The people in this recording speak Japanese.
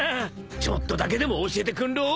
ちょっとだけでも教えてくんろ。